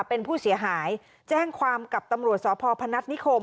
เป็นผู้เสียหายแจ้งความกับตำรวจสพพนัฐนิคม